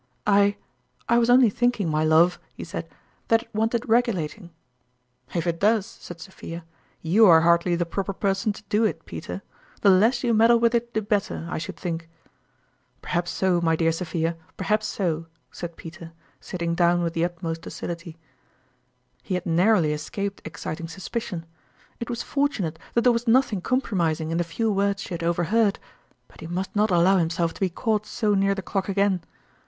" I I was only thinking, my love," he said, " that it wanted regulating." " If it does," said Sophia, " you are hardly the proper person to do it Peter. The less you meddle with it the better, I should think !"" Perhaps so, my dear Sophia, perhaps so !" said Peter, sitting down with the utmost do cility. He had narrowly escaped exciting suspicion. It was fortunate that there was nothing com promising in the few words she had overheard, but he must not allow himself to be caught so near the clock again.